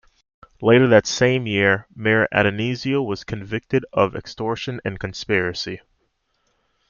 Later that same year, Mayor Addonizio was convicted of extortion and conspiracy.